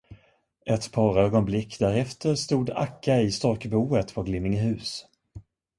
Ett par ögonblick därefter stod Akka i storkboet på Glimmingehus.